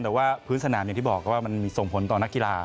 แต่ว่าพื้นสนามอย่างที่บอกว่ามันส่งผลต่อนักกีฬา